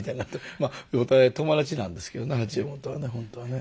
まあお互い友達なんですけどね八右衛門とは本当はね。